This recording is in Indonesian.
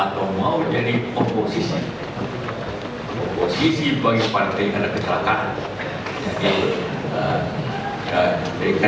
kalau begitu di dua ribu empat saya pun jadi partai partai yang bukan hidup di golkar